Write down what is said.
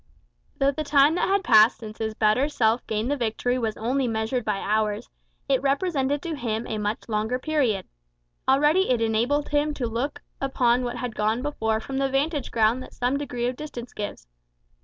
Though the time that had passed since his better self gained the victory was only measured by hours, it represented to him a much longer period. Already it enabled him to look upon what had gone before from the vantage ground that some degree of distance gives.